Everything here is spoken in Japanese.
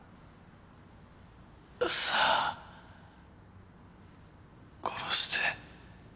さあ殺して。